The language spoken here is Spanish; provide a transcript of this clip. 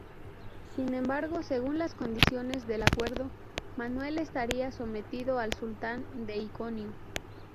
Sin embargo, según las condiciones del acuerdo, Manuel estaría sometido al sultán de Iconio.